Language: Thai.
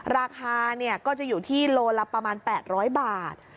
ราคาก็จะอยู่ที่โลละประมาณ๘๐๐บาท